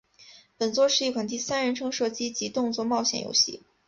本作是一款第三人称射击及动作冒险游戏。